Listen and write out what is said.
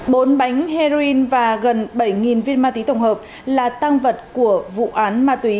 bốn bánh heroin và gần bảy viên ma túy tổng hợp là tăng vật của vụ án ma túy